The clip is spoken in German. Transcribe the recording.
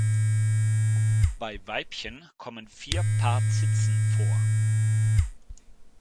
Bei Weibchen kommen vier Paar Zitzen vor.